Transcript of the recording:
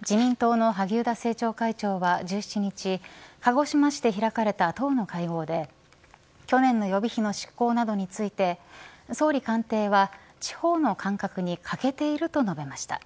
自民党の萩生田政調会長は１７日鹿児島市で開かれた党の会合で去年の予備費の執行などについて総理官邸は地方の感覚に欠けていると述べました。